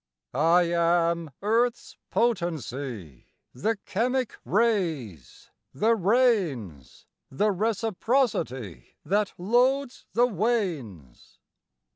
I am earth's potency, The chemic ray's, the rain's, The reciprocity That loads the wains.